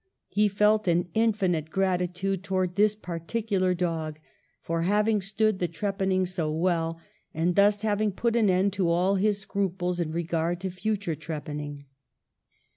He felt an infinite gratitude towards this particular dog for having stood the trepanning so well, and thus having put an end to all his scruples in regard to future trepanning."